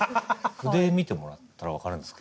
筆見てもらったら分かるんですけど。